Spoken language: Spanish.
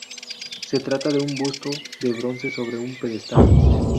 Se trata de un busto de bronce sobre un pedestal.